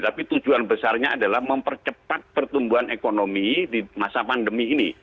tapi tujuan besarnya adalah mempercepat pertumbuhan ekonomi di masa pandemi ini